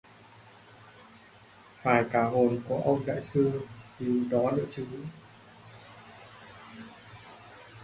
Phải cả hồn của ông đại sư gì đó nữa chứ